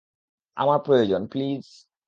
আমার প্রয়োজন, প্লিজ।